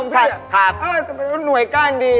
ช่างช่องพี่หรือเปล่าอ้าวหน่วยก้านดี